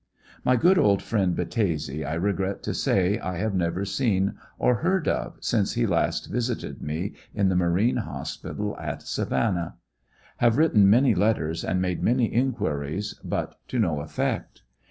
My good old friend Battese, I regret to say, I have never seen or heard of since he last visited me in the Marine Hospital at Savannah. 162 WHAT BECAME OF THE BOYS. Have written many letters and made many inquiries, but to no ef fect.